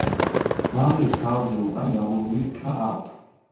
მამლებს თავზე უკან გაღუნული რქა აქვთ.